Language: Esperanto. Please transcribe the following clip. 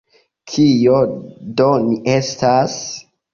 Kio do ni estas?